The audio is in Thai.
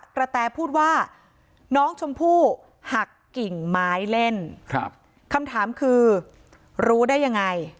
แตพูดว่าน้องชมพู่หักกิ่งไม้เล่นครับคำถามคือรู้ได้ยังไง